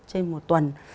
trên một tuần